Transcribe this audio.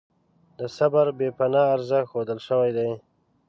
د صبر بې پناه ارزښت ښودل شوی دی.